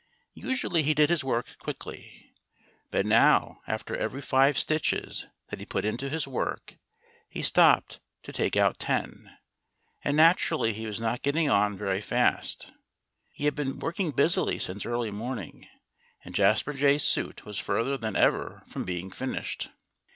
Usually he did his work quickly. But now after every five stitches that he put into his work he stopped to take out ten. And naturally he was not getting on very fast. He had been working busily since early morning; and Jasper Jay's suit was further than ever from being finished.